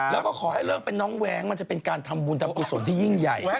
แล้วก็ขอให้เลิกเป็นน้องแว้งมันจะเป็นการทำบุญทำกุศลที่ยิ่งใหญ่